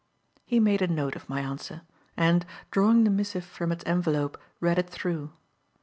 He made a note of my answer, and, drawing the missive from its envelope, read it through.